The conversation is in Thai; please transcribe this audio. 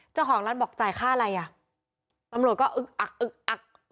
เจ้าของร้านบอกจ่ายค่าอะไรอ่ะตำรวจก็อึกอักอึกอัก